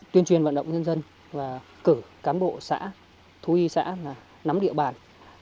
tuyên truyền vận động nhân dân và cử cán bộ xã thú y xã nắm địa bàn